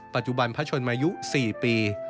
ปัจจุบันพระชนมายุ๔ปี